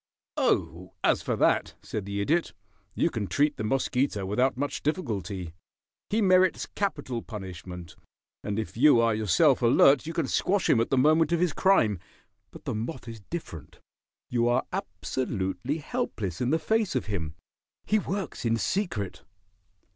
"Oh, as for that," said the Idiot, "you can treat the mosquito without much difficulty. He merits capital punishment, and if you are yourself alert you can squash him at the moment of his crime. But the moth is different. You are absolutely helpless in the face of him. He works in secret."